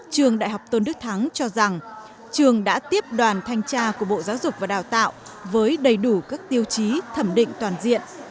trường đại học tôn đức thắng cho rằng trường đã tiếp đoàn thanh tra của bộ giáo dục và đào tạo với đầy đủ các tiêu chí thẩm định toàn diện